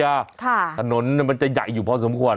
ค่ะถนนเนี้ยมันจะใหญ่อยู่เพราะสมควร